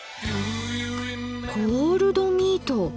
「コールドミート」。